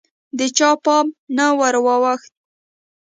د چا پام نه وراوښت